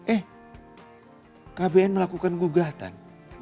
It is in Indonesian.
eh kbn melakukan gugatan